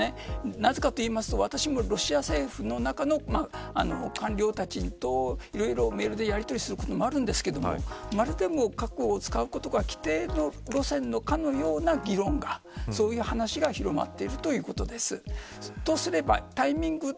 なぜかというと私もロシア政府の中の官僚たちといろいろメールでやりとりすることもありますがまるで核を使うことが規定の路線かのような議論がそういう話が広まっているということです。